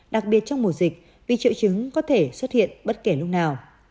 đặc biệt trong mùa dịch vì triệu chứng có thể xuất hiện bất kể lúc nào